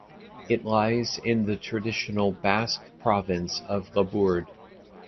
It lies in the traditional Basque province of Labourd.